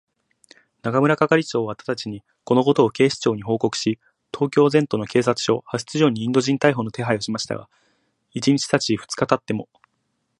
中村係長はただちに、このことを警視庁に報告し、東京全都の警察署、派出所にインド人逮捕の手配をしましたが、一日たち二日たっても、